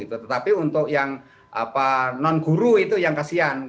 tetapi untuk yang non guru itu yang kasihan